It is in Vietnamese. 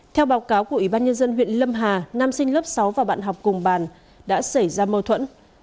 theo báo cáo của ubnd huyện lâm hà nam sinh lớp sáu và bạn học cùng bàn đã xảy ra mâu thuẫn